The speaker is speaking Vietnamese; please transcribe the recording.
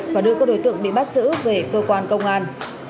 và đưa các đối tượng bị bắt giữ về cơ quan công an